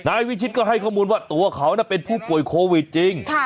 วิชิตก็ให้ข้อมูลว่าตัวเขาเป็นผู้ป่วยโควิดจริง